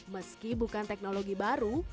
meski bukan teknologi baru